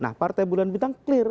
nah partai bulan bintang clear